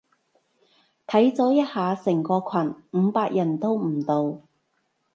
睇咗一下成個群，五百人都唔到